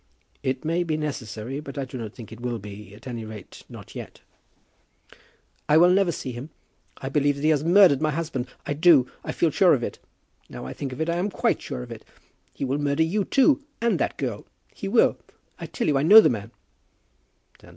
"It may be necessary, but I do not think it will be; at any rate not yet." "I will never see him. I believe that he has murdered my husband. I do. I feel sure of it. Now I think of it I am quite sure of it. And he will murder you too; about that girl. He will. I tell you I know the man."